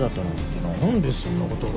いや何でそんなことを。